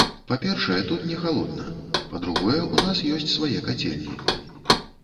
Па-першае, тут не холадна, па-другое, у нас ёсць свае кацельні.